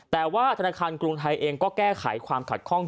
แต่ว่าธนาคารกรุงไทยเองก็แก้ไขความขัดข้อง